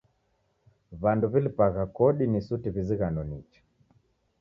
W'andu w'ilipagha kodi ni suti w'izighano nicha.